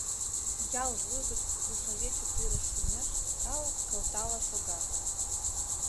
Ял вуй гыч уржавече тӱрыш шумеш калык кылтала шога.